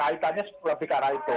kaitannya lebih ke arah itu